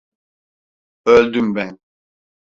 Öldüm ben…